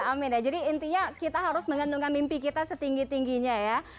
amin ya jadi intinya kita harus menggantungkan mimpi kita setinggi tingginya ya